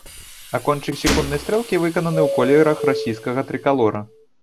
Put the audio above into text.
А кончык секунднай стрэлкі выкананы ў колерах расійскага трыкалора.